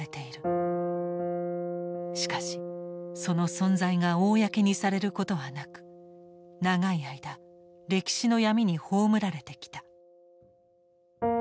しかしその存在が公にされることはなく長い間歴史の闇に葬られてきた。